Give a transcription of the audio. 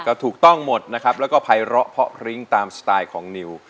ก็ถูกต้องหมดนะครับแล้วก็ภัยเลาะเพาะพริ้งตามสไตล์ของนิว